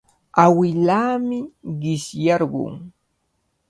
Awilaami qishyarqun.